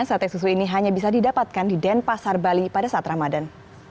sate susu ini hanya bisa didapatkan di denpasar bali pada saat ramadan